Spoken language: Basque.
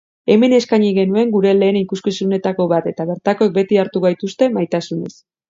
Hemen eskaini genuen gure lehen ikuskizunetako bat eta bertakoek beti hartu gaituzte maitasunez.